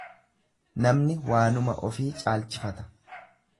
Namni waanuma ofii caalchifata.